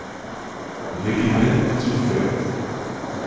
Regiment zu Pferd.